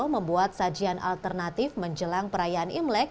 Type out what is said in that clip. membuat sajian alternatif menjelang perayaan imlek